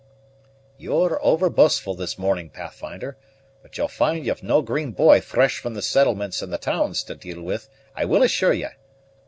"You're over boastful this morning, Pathfinder; but you'll find you've no green boy fresh from the settlements and the towns to deal with, I will assure ye!"